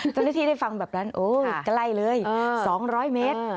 เจ้าหน้าที่ได้ฟังแบบนั้นโอ้ยใกล้เลย๒๐๐เมตร